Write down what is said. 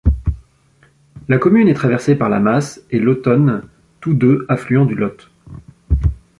La commune est traversée par la Masse et l'Autonne tous deux affluents du Lot.